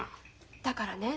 だからね